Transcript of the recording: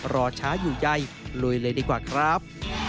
รอช้าอยู่ใยลุยเลยดีกว่าครับ